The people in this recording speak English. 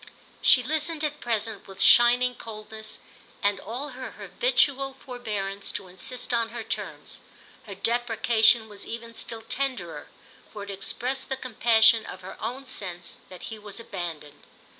She listened at present with shining coldness and all her habitual forbearance to insist on her terms; her deprecation was even still tenderer, for it expressed the compassion of her own sense that he was abandoned.